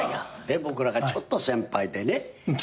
僕らがちょっと先輩でね。